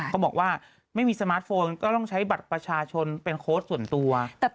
เขาบอกว่าไม่มีสมาร์ทโฟนก็ต้องใช้บัตรประชาชนเป็นโค้ชส่วนตัว